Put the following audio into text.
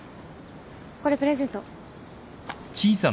これプレゼント。